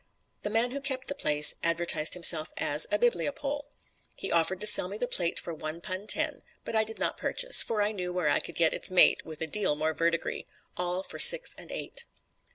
The man who kept the place advertised himself as a "Bibliopole." He offered to sell me the plate for one pun ten; but I did not purchase, for I knew where I could get its mate with a deal more verdigris all for six and eight.